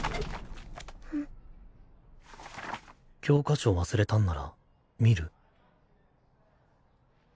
教科書忘れたんなら見る？